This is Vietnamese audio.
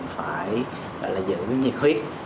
phải giữ nhiệt huyết